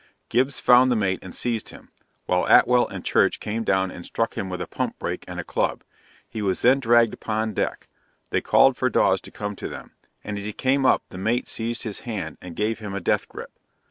Gibbs found the mate and seized him, while Atwell and Church came down and struck him with a pump break and a club; he was then dragged upon deck; they called for Dawes to come to them, and as he came up the mate seized his hand, and gave him a death gripe!